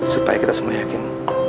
supaya kita semua yakin